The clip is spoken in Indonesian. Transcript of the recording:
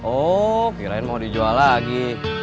oh kirain mau dijual lagi